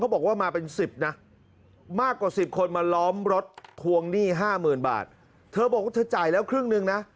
บอกว่ามาเป็นสิบนะมากกว่าสิบคนมาล้อมรถทวงหนี้ห้าหมื่นบาทเธอบอกว่าเธอจ่ายแล้วครึ่งหนึ่งนะ